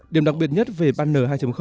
điểm đặc biệt nhất về banner hai